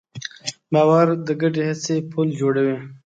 باور د ګډې هڅې پُل جوړوي.